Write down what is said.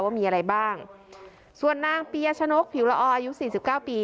ว่ามีอะไรบ้างส่วนนางเปียชนกผิวละอออายุสี่สิบเก้าปี